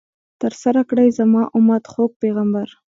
ترسره کړئ، زما امت ، خوږ پیغمبر